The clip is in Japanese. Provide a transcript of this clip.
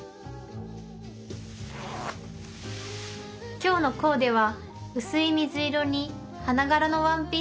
今日のコーデは薄い水色に花柄のワンピース。